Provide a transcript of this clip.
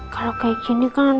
kalau kayak gini kan